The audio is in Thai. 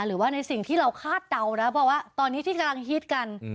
หรือว่าในสิ่งที่เราคาดเดานะเพราะว่าตอนนี้ที่กำลังฮิตกัน